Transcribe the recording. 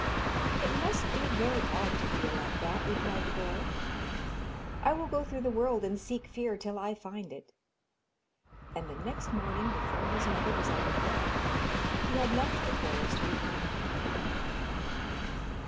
'It must be very odd to feel like that,' replied the boy. 'I will go through the world and seek fear till I find it.' And the next morning, before his mother was out of bed, he had left the forest behind him.